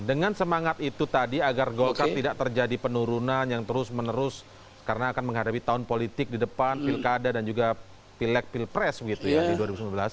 dengan semangat itu tadi agar golkar tidak terjadi penurunan yang terus menerus karena akan menghadapi tahun politik di depan pilkada dan juga pilek pilpres gitu ya di dua ribu sembilan belas